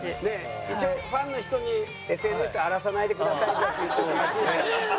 一応ファンの人に「ＳＮＳ荒らさないでください」だけ言っといてもらっていいですか。